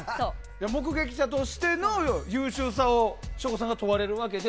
目撃者としての優秀さを省吾さんが問われるわけで。